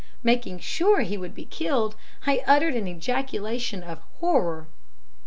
Making sure he would be killed, I uttered an ejaculation of horror.